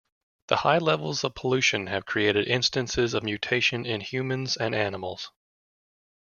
The high levels of pollution have created instances of mutation in humans and animals.